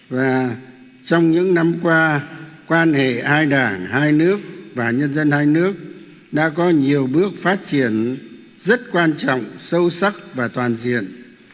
và trong những năm qua quan hệ hai đảng hai nước và nhân dân hai nước đã có nhiều bước phát triển rất quan trọng sâu sắc và toàn diện